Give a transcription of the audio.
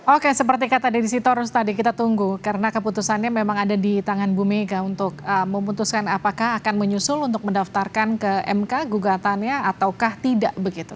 oke seperti kata deddy sitorus tadi kita tunggu karena keputusannya memang ada di tangan bu mega untuk memutuskan apakah akan menyusul untuk mendaftarkan ke mk gugatannya ataukah tidak begitu